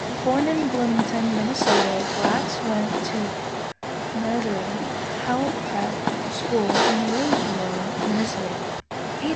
Born in Bloomington, Minnesota, Blatz went to Nazareth Hall Prep School in Roseville, Minnesota.